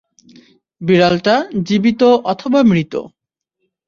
বিড়ালটা জীবত অথবা মৃত।